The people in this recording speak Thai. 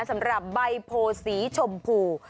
สำหรับใบโพสีชมพู